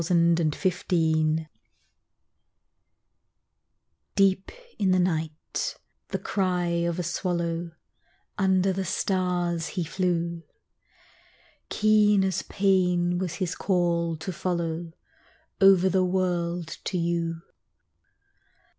DEEP IN THE NIGHT DEEP in the night the cry of a swallow, Under the stars he flew, Keen as pain was his call to follow Over the world to you.